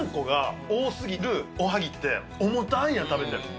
あんこが多すぎる、おはぎって、重たいやん、食べて。